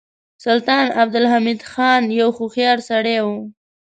سلطان عبدالحمید خان یو هوښیار سړی و.